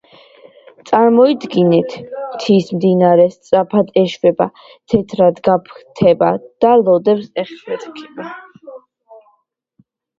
წარმოიდგინეთ, მთის მდინარე სწრაფად ეშვება, თეთრად ქაფდება და ლოდებს ეხეთქება.